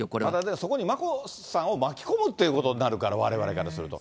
そこに眞子さんを巻き込むっていうことになるから、われわれからすると。